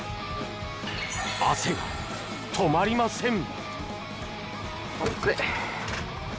汗が止まりません。